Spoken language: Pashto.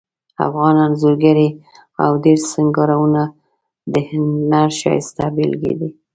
افغان انځورګری او ډبرو سنګارونه د هنر ښایسته بیلګې دي